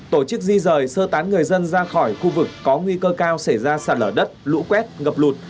tổ chức di rời sơ tán người dân ra khỏi khu vực có nguy cơ cao xảy ra sạt lở đất lũ quét ngập lụt